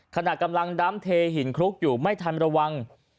ขณะกำลังดำเทหินคลุกอยู่ไม่ทันระวัง